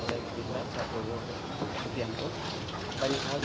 terima kasih pak